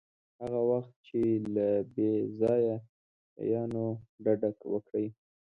هغه وخت چې له بې ځایه شیانو ډډه وکړئ.